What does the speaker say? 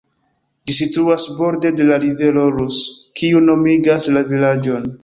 Ĝi situas borde de la rivero Rus, kiu nomigas la vilaĝon.